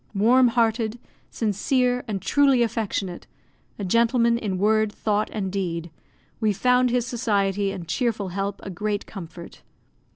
Warm hearted, sincere, and truly affectionate a gentleman in word, thought, and deed we found his society and cheerful help a great comfort.